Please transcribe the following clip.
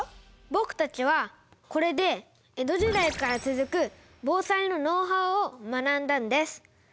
僕たちはこれで江戸時代から続く防災のノウハウを学んだんです。